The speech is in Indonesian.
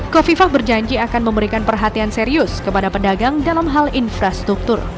kofifah berjanji akan memberikan perhatian serius kepada pedagang dalam hal infrastruktur